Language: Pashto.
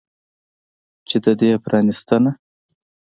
چې د دې پرانستنه